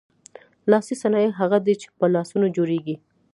لاسي صنایع هغه دي چې په لاسونو جوړیږي.